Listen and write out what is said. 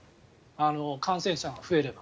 感染者が増えれば。